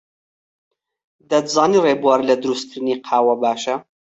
دەتزانی ڕێبوار لە دروستکردنی قاوە باشە؟